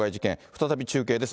再び中継です。